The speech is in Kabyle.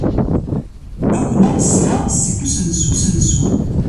Ad ken-refdeɣ seg sdat n usensu.